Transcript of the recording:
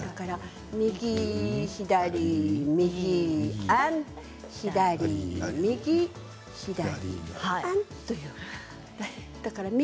右左、右左左右、左右。